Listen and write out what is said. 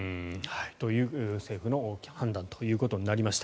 という政府の判断ということになりました。